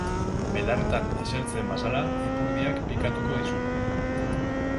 Belarretan esertzen bazara, ipurdiak pikatuko dizu.